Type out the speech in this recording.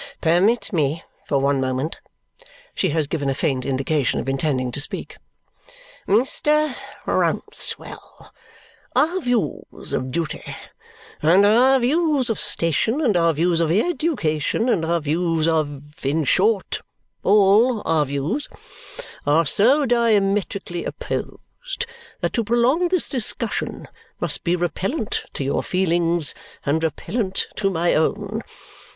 Permit me, for one moment!" She has given a faint indication of intending to speak. "Mr. Rouncewell, our views of duty, and our views of station, and our views of education, and our views of in short, ALL our views are so diametrically opposed, that to prolong this discussion must be repellent to your feelings and repellent to my own.